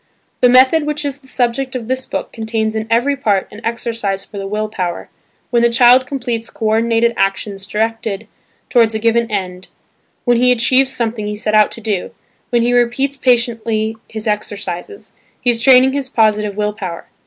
The method which is the subject of this book contains in every part an exercise for the will power, when the child completes co ordinated actions directed towards a given end, when he achieves something he set out to do, when he repeats patiently his exercises, he is training his positive will power.